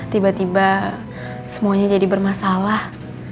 tiba tiba semuanya jadi bermasalah